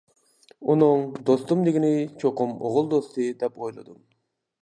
ئۇنىڭ «دوستۇم» دېگىنى چوقۇم ئوغۇل دوستى، دەپ ئويلىدىم.